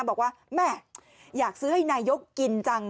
บอกว่าแม่อยากซื้อให้นายกกินจัง